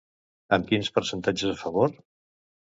Amb quins percentatges a favor?